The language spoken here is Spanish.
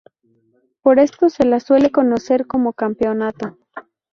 Por esto se las suele conocer como campeonato.